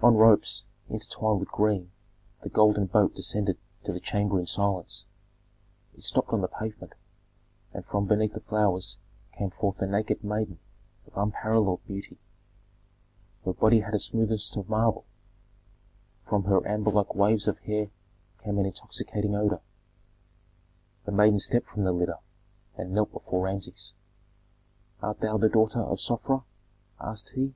On ropes, entwined with green, the golden boat descended to the chamber in silence. It stopped on the pavement, and from beneath the flowers came forth a naked maiden of unparalleled beauty. Her body had the smoothness of marble; from her amber like waves of hair came an intoxicating odor. The maiden stepped from the litter and knelt before Rameses. "Art thou the daughter of Sofra?" asked he.